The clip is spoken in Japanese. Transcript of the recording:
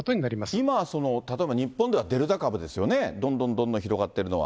今、その例えば、日本ではデルタ株ですよね、どんどん広がっているのは。